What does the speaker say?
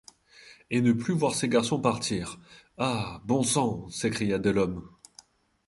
Et ne plus voir ses garçons partir, ah! bon sang ! s’écria Delhomme.